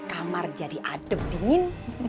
kamar jadi adem dingin